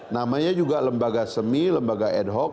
namanya juga lembaga semi lembaga ad hoc